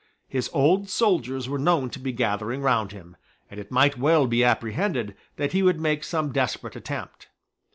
His old soldiers were known to be gathering round him; and it might well be apprehended that he would make some desperate attempt.